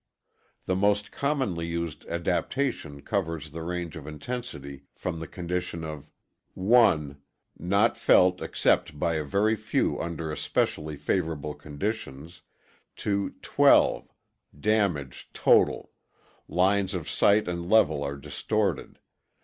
The most commonly used adaptation covers the range of intensity from the condition of ŌĆ£IŌĆöNot felt except by a very few under especially favorable conditions, ŌĆØ to ŌĆ£XIIŌĆöDamage total. Lines of sight and level are distorted.